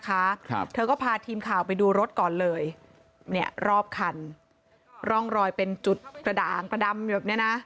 ครับเธอก็พาทีมข่าวไปดูรถก่อนเลยเนี่ยรอบคันร่องรอยเป็นจุดกระด่างกระดำแบบเนี้ยนะ